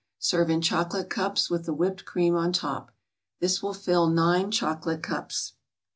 Serve in chocolate cups with the whipped cream on top. This will fill nine chocolate cups.